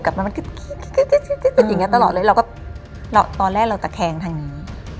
กลับมาคิดอย่างนี้ตลอดเลยตอนแรกเราก็แคงทางนี้